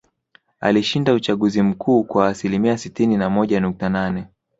Alishinda uchaguzi mkuu kwa asilimia sitini na moja nukta nane